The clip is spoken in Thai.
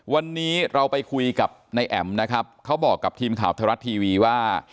วันนี้เราไปคุยกับนายแอ๋มนะครับเขาบอกกับทีมข่าวไทยรัฐทีวีว่า